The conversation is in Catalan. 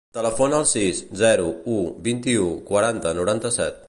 Telefona al sis, zero, u, vint-i-u, quaranta, noranta-set.